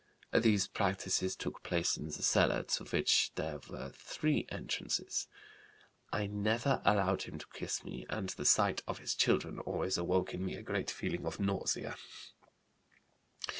These practices took place in the cellar, to which there were three entrances. I never allowed him to kiss me and the sight of his children always awoke in me a great feeling of nausea.